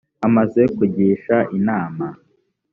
amaze kugisha inama